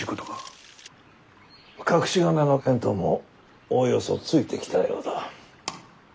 隠し金の見当もおおよそついてきたようだ。